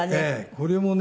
これもね。